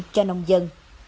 cho nông dân